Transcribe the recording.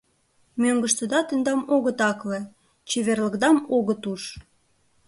Мӧҥгыштыда тендам огыт акле, чеверлыкдам огыт уж...